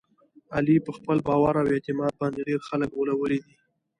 علي په خپل باور او اعتماد باندې ډېر خلک غولولي دي.